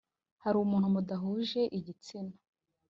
hari umuntu mudahuje igitsina.